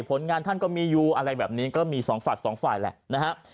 ผลงานท่านก็มีอยู่อะไรแบบนี้ก็มีสองฝัดสองฝ่ายแหละนะฮะ